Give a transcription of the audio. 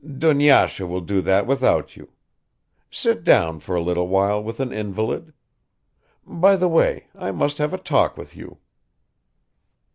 "Dunyasha will do that without you; sit down for a little while with an invalid. By the way, I must have a talk with you."